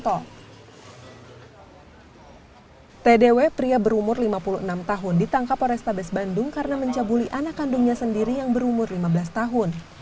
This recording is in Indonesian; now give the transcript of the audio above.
tdw pria berumur lima puluh enam tahun ditangkap oleh stabes bandung karena mencabuli anak kandungnya sendiri yang berumur lima belas tahun